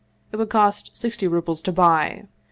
It would cost sixty rubles to buy.